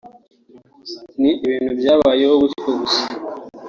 ni ibintu byabayeho gutyo gusa